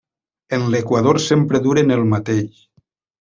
En l'equador sempre duren el mateix.